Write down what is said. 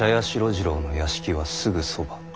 次郎の屋敷はすぐそば。